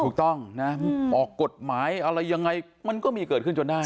ถูกต้องนะออกกฎหมายอะไรยังไงมันก็มีเกิดขึ้นจนได้